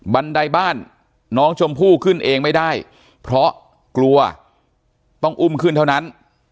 บันไดบ้านน้องชมพู่ขึ้นเองไม่ได้เพราะกลัวต้องอุ้มขึ้นเท่านั้น